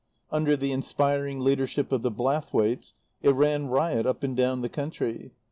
Under the inspiring leadership of the Blathwaites it ran riot up and down the country.